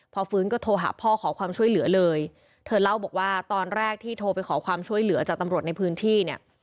พอฟื้นก็โทรหาพ่อขอความช่วยเหลือเลยเธอเล่าบอกว่าตอนแรกที่โทรไปขอความช่วยเหลือจากตำรวจในพื้นที่เนี่ย